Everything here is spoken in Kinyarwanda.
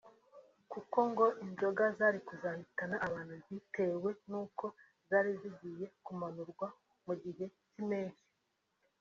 kuko ngo inzoga zari kuzahitana abantu bitewe n’uko zari zigiye kumanurwa mu gihe cy’impeshyi